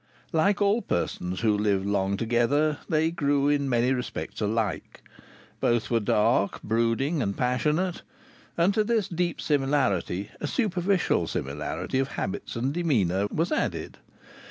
Like all persons who live long together, they grew in many respects alike. Both were dark, brooding and passionate, and to this deep similarity a superficial similarity of habits and demeanour was added.